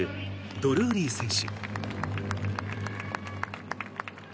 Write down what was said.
ドルーリー選手。